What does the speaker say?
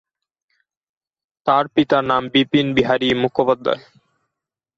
তার পিতার নাম বিপিন বিহারী মুখোপাধ্যায়।